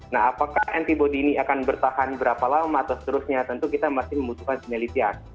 nah apakah antibody ini akan bertahan berapa lama atau seterusnya tentu kita masih membutuhkan penelitian